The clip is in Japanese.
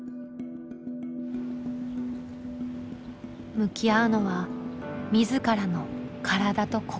向き合うのは自らの体と心。